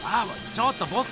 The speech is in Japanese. ちょっとボス！